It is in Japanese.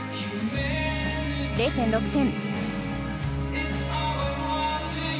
０．６点。